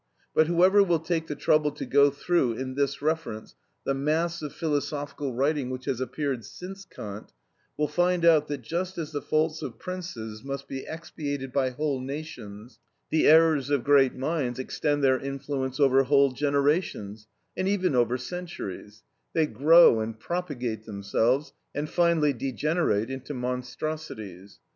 But whoever will take the trouble to go through in this reference the mass of philosophical writing which has appeared since Kant, will find out, that just as the faults of princes must be expiated by whole nations, the errors of great minds extend their influence over whole generations, and even over centuries; they grow and propagate themselves, and finally degenerate into monstrosities.